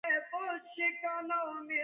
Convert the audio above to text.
ژوندي له باران سره مینه لري